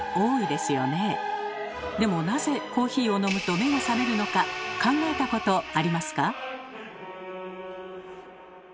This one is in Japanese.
でもなぜコーヒーを飲むと目が覚めるのか考えたことありますか？